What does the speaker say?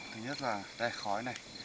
thứ nhất là đây khói này